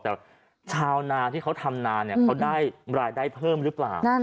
แต่ชาวนาที่เขาทำนานเนี่ยเขาได้รายได้เพิ่มหรือเปล่า